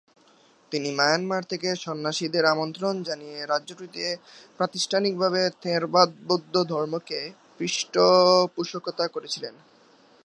তিনি মায়ানমার থেকে সন্ন্যাসীদের আমন্ত্রণ জানিয়ে রাজ্যটিতে প্রাতিষ্ঠানিকভাবে থেরবাদ বৌদ্ধ ধর্মকে পৃষ্ঠপোষকতা করেছিলেন।